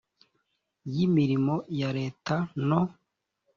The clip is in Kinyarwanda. y imirimo ya leta no